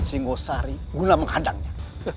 singosari guna menghadangnya